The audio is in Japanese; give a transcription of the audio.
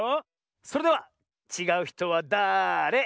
それでは「ちがうひとはだれ？」